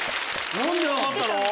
何で分かったの？